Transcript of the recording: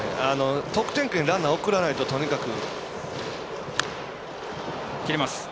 得点圏にランナーを送らないと、とにかく。